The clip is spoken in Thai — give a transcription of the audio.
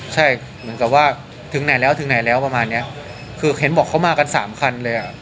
ใช่เหมือนกับว่าถึงไหนแล้วถึงไหนแล้วประมาณเนี้ยคือเห็นบอกเขามากันสามคันเลยอ่ะ